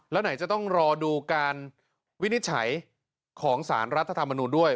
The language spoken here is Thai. แล้วไหนจะต้องรอดูการวินิจฉัยของสารรัฐธรรมนูลด้วย